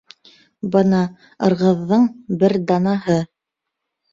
Бына «Ырғыҙ»ҙың бер данаһы